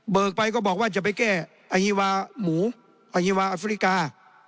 ไปก็บอกว่าจะไปแก้อฮีวาหมูอฮิวาอัฟริกา